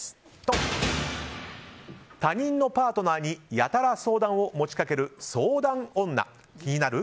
他人のパートナーにやたら相談を持ち掛ける相談女気になる？